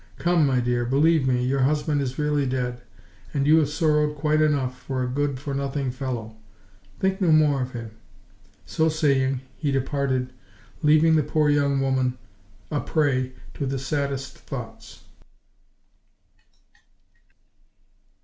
Come, my dear, believe me, your husband is really dead, and you have sorrowed quite enough for a good for nothing fellow. Think no more of him." So saying, he departed, leaving the poor young woman a prey to the saddest thoughts.